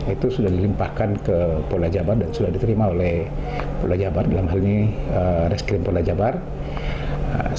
itu sudah dilimpahkan ke polda jawa barat dan sudah diterima oleh polda jawa barat dalam hal ini rizik krimpolri jawa barat